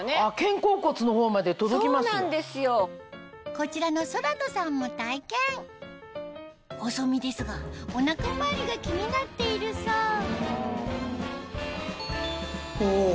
こちらの空野さんも体験細身ですがお腹周りが気になっているそうお！